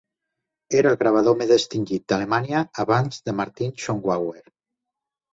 Era el gravador més distingit d'Alemanya abans de Martin Schongauer.